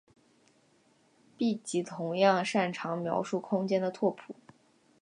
闭集同样擅长描述空间的拓扑。